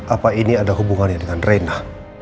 apa ini ada hubungannya dengan reina